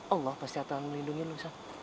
allah pasti akan melindungi lo hasan